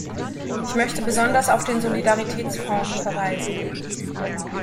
Ich möchte besonders auf den Solidaritätsfonds verweisen.